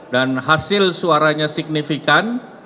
dan hasil suaranya signifikan